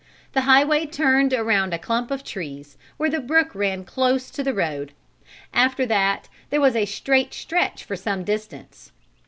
The highway turned around a clump of trees, where the brook ran close to the road. After that there was a straight stretch for some distance.